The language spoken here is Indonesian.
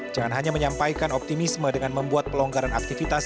jangan hanya menyampaikan optimisme dengan membuat pelonggaran aktivitas